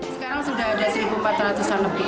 sekarang sudah ada satu empat ratus an lebih